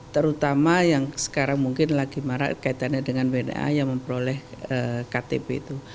terutama yang sekarang mungkin lagi marah kaitannya dengan wna yang memperoleh ktp itu